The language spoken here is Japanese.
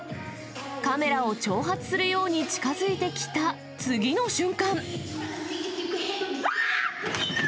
カメラを挑発するように近づいてきた、次の瞬間。